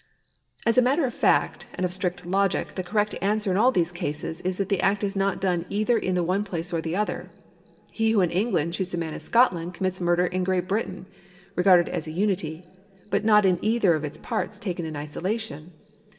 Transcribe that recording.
As a matter of fact and of strict logic the correct answer in all these cases is that the act is not done either in the one place or in the other. He who in England shoots a man in Scotland commits murder in Great Britain, regarded as a unity, but not in either of its parts taken in isolation.